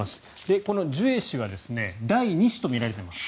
このジュエ氏は第２子とみられています。